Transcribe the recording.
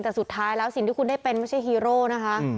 แต่สุดท้ายแล้วสิ่งที่คุณได้เป็นไม่ใช่ฮีโร่นะคะ